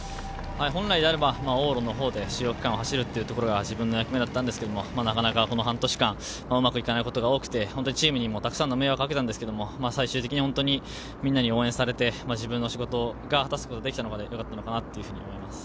本来なら往路のほうで主力区間を走るのが自分の役目だったのですが、半年間うまくいかないことが多くてチームにたくさんの迷惑をかけたんですけれど、みんなに応援されて自分の仕事を果たすことができたので、よかったと思います。